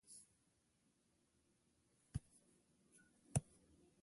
It is also a Green Flag award winning park.